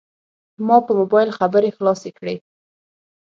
ما په موبایل خبرې خلاصې کړې.